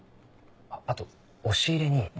あっあと押し入れに。